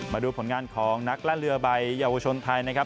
มาดูผลงานของนักแล่นเรือใบเยาวชนไทยนะครับ